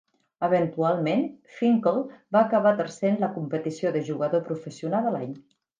Eventualment Finkel va acabar tercer en la competició de Jugador Professional de l'Any.